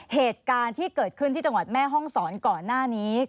เหตุการณ์ที่เกิดขึ้นที่จังหวัดแม่ห้องศรก่อนหน้านี้